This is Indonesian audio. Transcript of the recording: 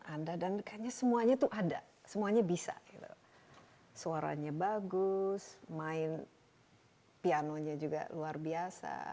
anda dan kayaknya semuanya tuh ada semuanya bisa suaranya bagus main pianonya juga luar biasa